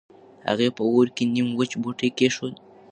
هغې په اور کې نيم وچ بوټی کېښود.